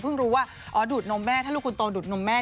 รู้ว่าอ๋อดูดนมแม่ถ้าลูกคุณโตดูดนมแม่